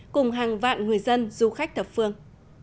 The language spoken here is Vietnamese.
cùng hàng vạn người dân du khách thập phương